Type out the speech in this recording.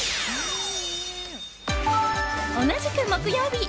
同じく、木曜日。